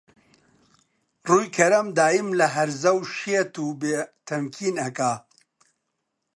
ڕووی کەرەم دایم لە هەرزە و شێت و بێ تەمکین ئەکا